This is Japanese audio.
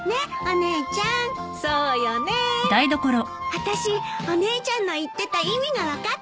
あたしお姉ちゃんの言ってた意味が分かったわ。